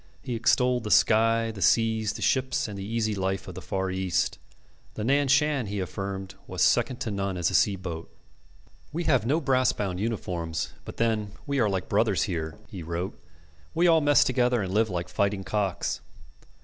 He extolled the sky, the seas, the ships, and the easy life of the Far East. The Nan Shan, he affirmed, was second to none as a sea boat. "We have no brass bound uniforms, but then we are like brothers here," he wrote. "We all mess together and live like fighting cocks.